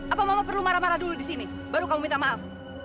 apa mama perlu marah marah dulu di sini baru kamu minta maaf